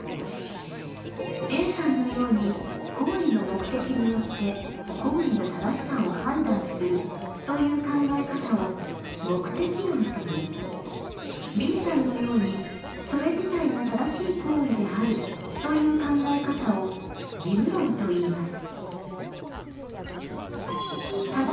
Ａさんのように行為の目的によって行為の正しさを判断するという考え方を目的論といいＢさんのようにそれ自体が正しい行為であるという考え方を義務論といいます。